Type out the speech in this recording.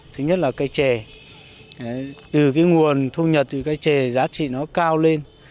thứ nhất là cây trè từ cái nguồn thu nhật từ cây trề giá trị nó cao lên